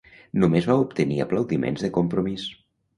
Només va obtenir aplaudiments de compromís.